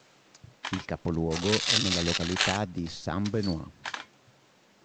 Il capoluogo è nella località di Saint-Benoît.